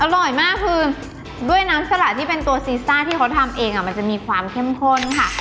อร่อยมากคือด้วยน้ำสละที่เป็นตัวซีซ่าที่เขาทำเองมันจะมีความเข้มข้นค่ะ